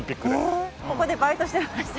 ここでバイトしてました。